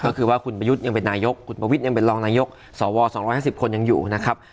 ก็คือว่าคุณประยุทธ์ยังเป็นนายกคุณประวิทย์ยังเป็นรองนายกสว๒๕๐คนยังอยู่นะครับ